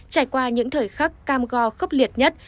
trải qua những thời khắc cam go khốc liệt nhất